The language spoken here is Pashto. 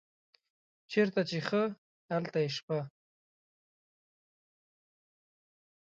چیرته چې ښه هلته یې شپه.